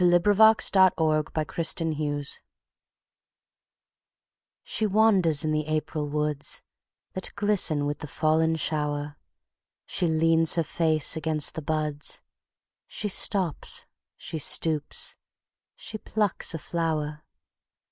Alfred Austin 1835–1913 Agatha Austin A SHE wanders in the April woods, That glisten with the fallen shower; She leans her face against the buds, She stops, she stoops, she plucks a flower.